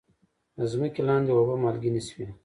د ځمکې لاندې اوبه مالګینې شوي؟